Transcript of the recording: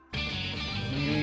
うん。